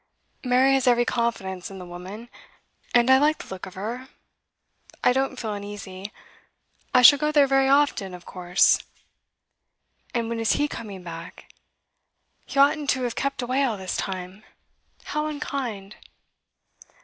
'Mary has every confidence in the woman. And I like the look of her; I don't feel uneasy. I shall go there very often, of course.' 'And when is he coming back? He oughtn't to have kept away all this time. How unkind!